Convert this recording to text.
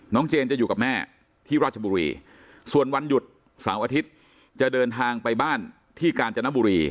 เจนจะอยู่กับแม่ที่ราชบุรีส่วนวันหยุดเสาร์อาทิตย์จะเดินทางไปบ้านที่กาญจนบุรี